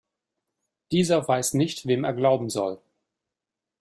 Dieser weiß nicht, wem er glauben soll.